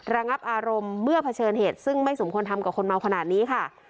ระงับอารมณ์เมื่อเผชิญเหตุซึ่งไม่สมควรทำกับคนเมาขนาดนี้ค่ะ